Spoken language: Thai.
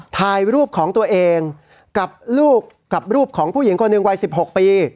ถ่ายรูปของตัวเองกับลูกกับรูปของผู้หญิงคนหนึ่งวัย๑๖ปี